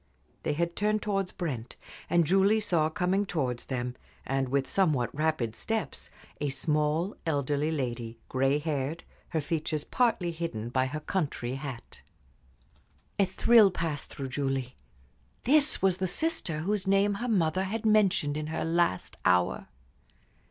They had turned towards Brent, and Julie saw coming towards them, with somewhat rapid steps, a small, elderly lady, gray haired, her features partly hidden by her country hat. A thrill passed through Julie. This was the sister whose name her mother had mentioned in her last hour.